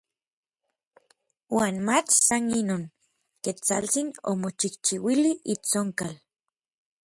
Uan mach san inon, Ketsaltsin omochijchiuili itsonkal.